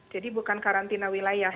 jadi bukan karantina wilayah